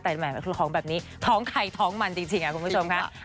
แต่แหมก็คือท้องแบบนี้ท้องใครท้องมันจริงคุณผู้ชมค่ะ